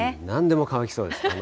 なんでも乾きそうです。